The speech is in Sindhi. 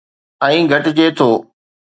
۽ گھٽجي ٿو